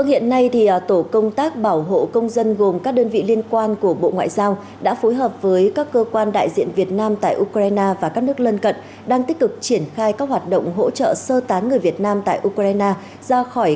tại ba lan đại sứ quán việt nam tại ba lan theo số điện thoại